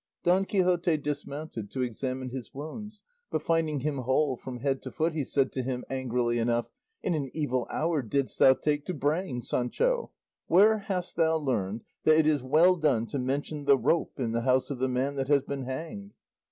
Don Quixote dismounted to examine his wounds, but finding him whole from head to foot, he said to him, angrily enough, "In an evil hour didst thou take to braying, Sancho! Where hast thou learned that it is well done to mention the rope in the house of the man that has been hanged?